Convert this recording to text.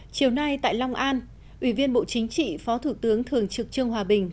chiều nay tại long an ủy viên bộ chính trị phó thủ tướng thường trực trương hòa bình